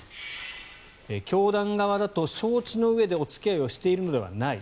教団側だと承知のうえでお付き合いをしているのではない。